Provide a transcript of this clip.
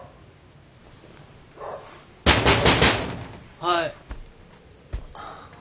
はい。